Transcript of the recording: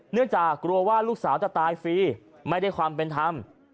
เนื่องจากกลัวว่าลูกสาวจะตายฟรีไม่ได้ความเป็นธรรม